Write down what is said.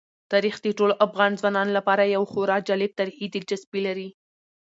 تاریخ د ټولو افغان ځوانانو لپاره یوه خورا جالب تاریخي دلچسپي لري.